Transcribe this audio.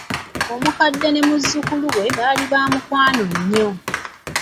Omukadde ne muzzukulu we baali baamukwano nnyo.